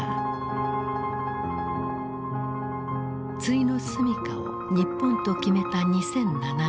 終の住みかを日本と決めた２００７年。